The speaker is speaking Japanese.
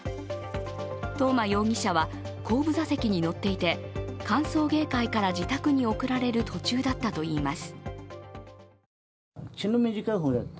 東間容疑者は後部座席に乗っていて歓送迎会から自宅に送られる途中だったといいます。